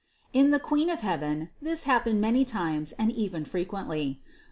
642. In the Queen of heaven this happened many times and even frequently.